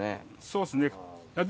そうですね。